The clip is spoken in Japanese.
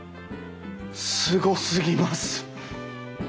すごすぎます！